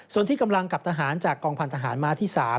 ส่วนที่กำลังกับทหารจากกองพันธหารมาที่๓